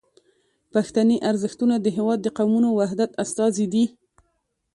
پښتني ارزښتونه د هیواد د قومونو وحدت استازي دي.